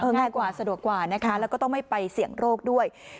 ง่ายกว่าสะดวกกว่านะคะแล้วก็ต้องไม่ไปเสี่ยงโรคด้วย